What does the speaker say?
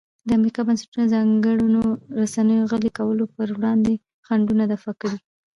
د امریکا بنسټونو ځانګړنو رسنیو غلي کولو پر وړاندې خنډونه دفع کړي.